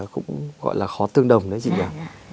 cũng gọi là khó tương đồng đấy chị ạ